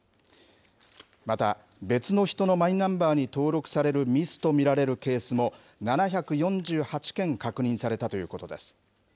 また、別の人のマイナンバーに登録されるミスと見られるケースも７４８件確認されたということです。